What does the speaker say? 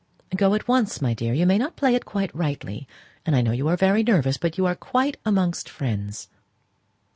"Go at once, my dear. You may not play it quite rightly; and I know you are very nervous; but you're quite amongst friends."